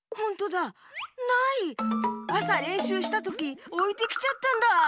あされんしゅうしたときおいてきちゃったんだ。